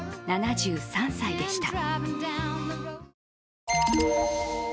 ７３歳でした。